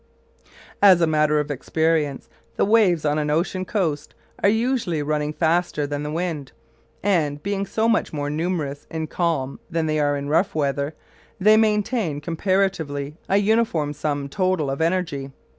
As a matter of experience, the waves on an ocean coast are usually running faster than the wind, and, being so much more numerous in calm than they are in rough weather, they maintain comparatively a uniform sum total of energy.